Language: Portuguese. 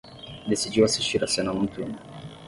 Decidiu assistir a cena noturna